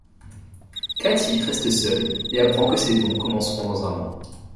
Kathy reste seule, et apprend que ses dons commenceront dans un mois.